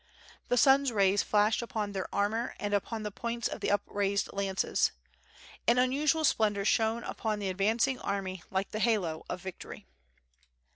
The sun's rays flashed upon their armor and upon the points of the up raised lances. An unusual splendor shone upon the advancing army like the halo of victory.